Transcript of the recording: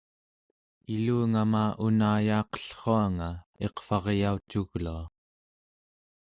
ilungama unayaqellruanga iqvaryaucuglua